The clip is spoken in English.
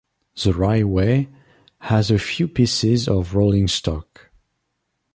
The Railway has a few pieces of rolling stock.